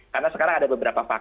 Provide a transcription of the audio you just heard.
karena sekarang ada beberapa